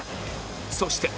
そして